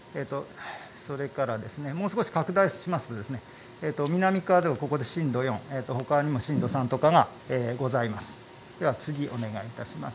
それから、もう少し拡大しますとみなみかわでも震度４ほかにも震度３とかがございます。